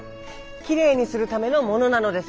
きれいにするためのものなのです。